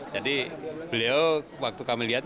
jadi beliau waktu kami lihat